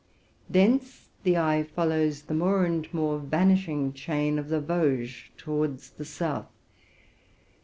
* Thence the eye follows the more and more vanishing | chain of the Vosges towards the south.